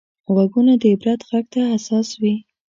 غوږونه د عبرت غږ ته حساس وي